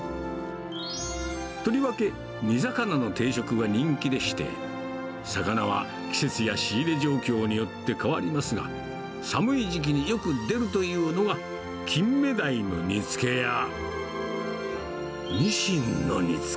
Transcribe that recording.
とりわけ、煮魚の定食は人気でして、魚は季節や仕入れ状況によって変わりますが、寒い時期によく出るというのが、キンメダイの煮つけや、にしんの煮付け。